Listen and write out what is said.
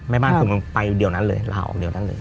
แม่บ้านผมไปเดี๋ยวนั้นเลยเราออกเดี๋ยวนั้นเลย